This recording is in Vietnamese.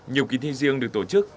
nhiều ký thi riêng được tổ chức